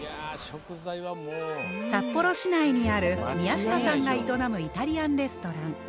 札幌市内にある宮下さんが営むイタリアンレストラン。